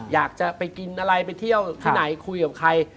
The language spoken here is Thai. อยากจะไปกินอะไรไปเที่ยวที่ไหนคุยกับใคร